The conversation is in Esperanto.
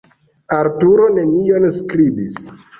Arturo nenion skribis.